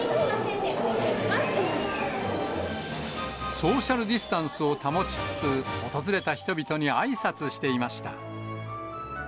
ソーシャルディスタンスを保ちつつ、訪れた人々にあいさつしていました。